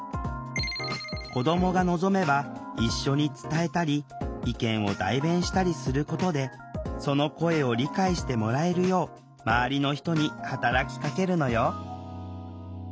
子どもが望めば一緒に伝えたり意見を代弁したりすることでその声を理解してもらえるよう周りの人に働きかけるのよ